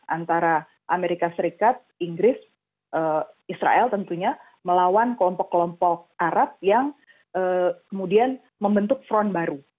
antara amerika serikat inggris israel tentunya melawan kelompok kelompok arab yang kemudian membentuk front baru